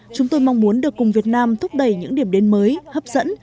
chúng tôi mong muốn được cùng việt nam thúc đẩy những điểm đến mới hấp dẫn